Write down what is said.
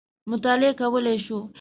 مطالعه کولای شو.